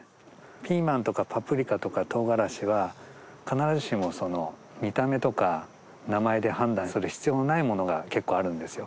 ピーマンとかパプリカとかとうがらしは必ずしも見た目とか名前で判断する必要のないものが結構あるんですよ。